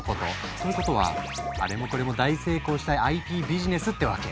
ということはあれもこれも大成功したＩＰビジネスってわけ。